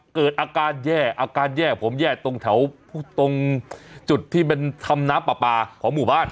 เกิดอาการแย่ผมแย่ตรงจุดที่เป็นธรรมนาปปาของหมู่บ้าน